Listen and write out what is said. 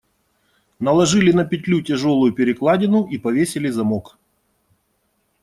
Наложили на петлю тяжелую перекладину и повесили замок.